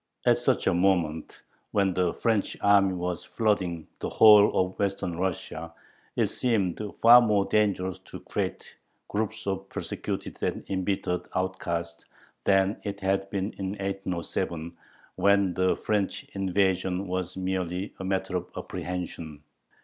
At such a moment, when the French army was flooding the whole of Western Russia, it seemed far more dangerous to create groups of persecuted and embittered outcasts than it had been in 1807, when the French invasion was merely a matter of apprehension.